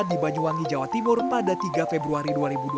di banyuwangi jawa timur pada tiga februari dua ribu dua puluh